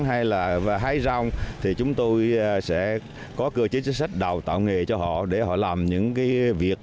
hay là hái rong thì chúng tôi sẽ có cơ chế chức sách đào tạo nghề cho họ để họ làm những việc